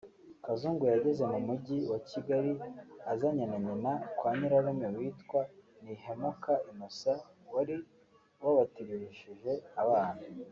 Kazungu yageze mu Mujyi wa Kigali azanye na nyina kwa nyirarume witwa Ntihemuka Innocent wari wabatirishije abana